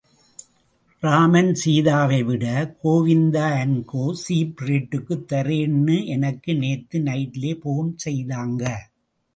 Ram and சீதாவைவிட Govinda and co, cheap ரேட்டுக்குத் தரேன்னு எனக்கு நேத்து நைட்லே போன் செய்தாங்க.